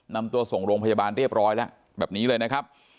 นำตัวส่งโรงพยาบาลเรียบร้อยแล้วแบบนี้เลยนะครับ